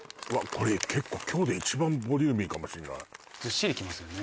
これ結構今日で一番ボリューミーかもしれないずっしりきますよね